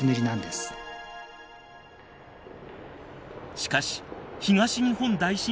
しかし東日本大震災が発生。